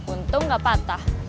untung gak patah